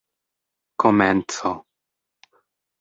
komenco